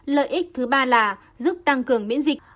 lợi ích thứ ba là giúp tăng cường miễn dịch